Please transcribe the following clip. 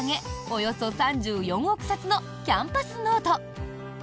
およそ３４億冊のキャンパスノート。